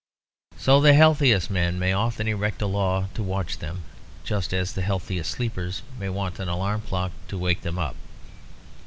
So the healthiest men may often erect a law to watch them, just as the healthiest sleepers may want an alarum clock to wake them up.